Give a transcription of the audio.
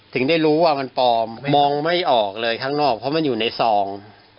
ถึงได้รู้ว่ามันปลอมมองไม่ออกเลยข้างนอกเพราะมันอยู่ในซอง